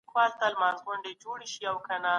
د سياست علم له نورو ټولنيزو علومو څخه بشپړ بېل دی.